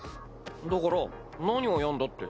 だから何をやんだって。